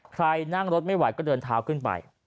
ใครนั่งรถไม่ไหวก็เดินเท้าขึ้นไป